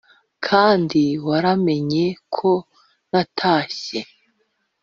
Kandi waramenye ko natashye